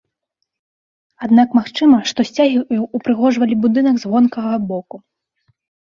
Аднак магчыма, што сцягі ўпрыгожвалі будынак з вонкавага боку.